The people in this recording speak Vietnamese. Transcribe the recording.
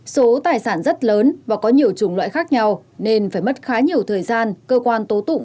số tài sản rất lớn và có nhiều chủng loại khác nhau nên phải mất khá nhiều thời gian cơ quan tố tụng